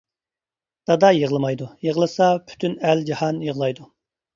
دادا يىغلىمايدۇ، يىغلىسا پۈتۈن ئەل جاھان يىغلايدۇ.